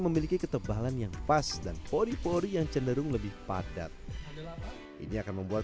memiliki ketebalan yang pas dan pori pori yang cenderung lebih padat ini akan membuat